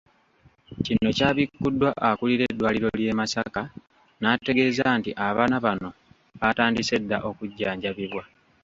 Kino kyabikuddwa akulira eddwaliro ly'e Masaka n'ategeeza nti abana bano baatandise dda okujjanjabibwa.